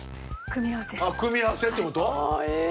組み合わせって事？え？